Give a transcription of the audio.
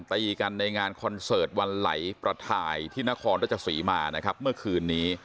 ตีกันในงานคอนเสิร์ตวันไหลประทายที่นครรัชศรีมานะครับเมื่อคืนนี้